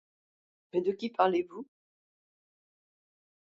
Mais de qui parlez-vous?